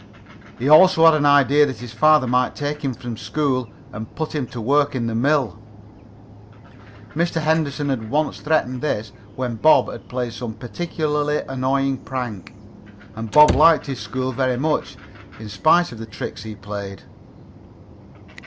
He also had an idea that his father might take him from school and put him to work in the mill. Mr. Henderson had once threatened this when Bob had played some particularly annoying prank. And Bob liked his school very much, in spite of the tricks he played.